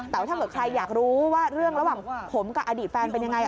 แต่ว่าถ้าเกิดใครอยากรู้ว่าเรื่องระหว่างผมกับอดีตแฟนเป็นยังไง